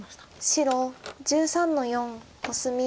白１３の四コスミ。